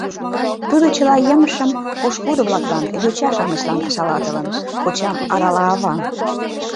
— Тудо чыла емыжшым пошкудо-влаклан, йоча-шамычлан шалатылын, — кочам арала ава.